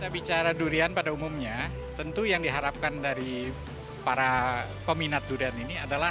bicara durian pada umumnya tentu yang diharapkan dari para peminat durian ini adalah